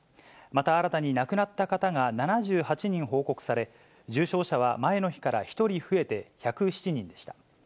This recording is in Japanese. また新たに亡くなった方が７８人報告され、重症者は前の日から１人増えて１０７人でした。